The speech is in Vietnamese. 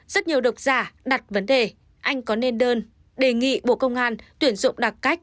rất nhiều độc giả đặt vấn đề anh có nên đơn đề nghị bộ công an tuyển dụng đặc cách